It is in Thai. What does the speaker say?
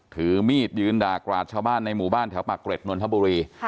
ถือมีดยืนดากราชบ้านในหมู่บ้านแถวปะเกร็ดนวลธับบุรี